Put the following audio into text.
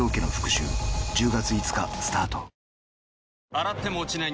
洗っても落ちない